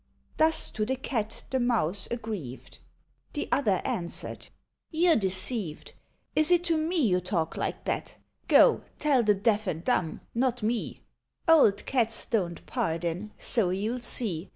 Thus to the Cat the Mouse, aggrieved; The other answered. "You're deceived. Is it to me you talk like that? Go, tell the deaf and dumb not me: Old Cats don't pardon, so you'll see.